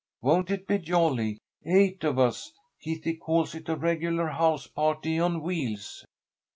Won't it be jolly, eight of us! Kitty calls it a regular house party on wheels."